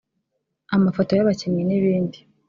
amafoto y’abakinnyi n’ibindi